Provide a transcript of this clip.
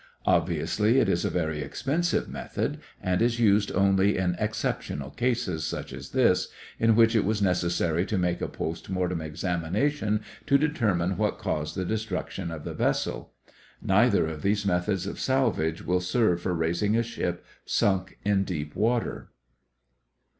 Obviously, it is a very expensive method and is used only in exceptional cases, such as this, in which it was necessary to make a post mortem examination to determine what caused the destruction of the vessel. Neither of these methods of salvage will serve for raising a ship sunk in deep water.